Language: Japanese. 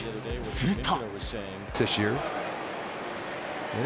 すると。